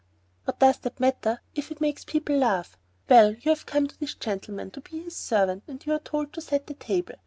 "What does that matter if it makes the people laugh? Well, you have come to this gentleman to be his servant and you are told to set the table.